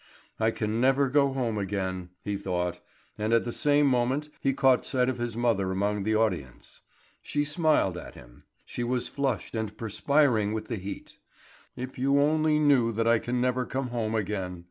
"I can never go home again," he thought; and at the same moment he caught sight of his mother among the audience. She smiled at him. She was flushed and perspiring with the heat. "If you only knew that I can never come home again!"